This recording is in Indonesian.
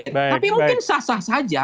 tapi mungkin sah sah saja